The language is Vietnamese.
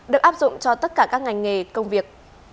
được áp dụng cho tất cả các ngành nghề công việc